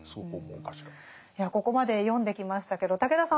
いやここまで読んできましたけど武田さん